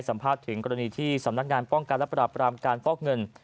สัมภาษณ์ถึงกรณีที่สำนักงานป้องกันและปราบรามการฟอกเงิน